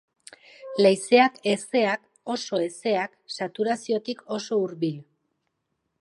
Leizeak hezeak, oso hezeak, saturaziotik oso hurbil.